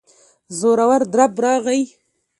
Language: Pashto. زورور درب راغی.